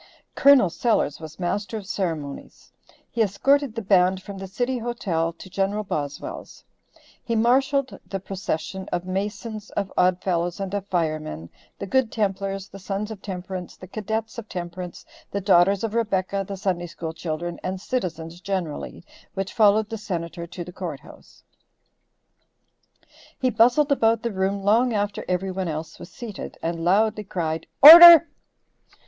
Col. Sellers was master of ceremonies. He escorted the band from the city hotel to Gen. Boswell's; he marshalled the procession of Masons, of Odd Fellows, and of Firemen, the Good Templars, the Sons of Temperance, the Cadets of Temperance, the Daughters of Rebecca, the Sunday School children, and citizens generally, which followed the Senator to the court house; he bustled about the room long after every one else was seated, and loudly cried "Order!"